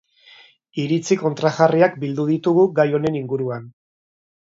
Iritzi kontrajarriak bildu ditugu gai honen inguruan.